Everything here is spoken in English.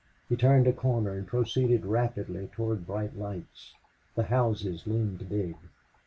He turned a corner and proceeded rapidly toward bright lights. The houses loomed big.